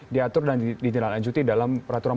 diatur dan ditindaklanjuti dalam peraturan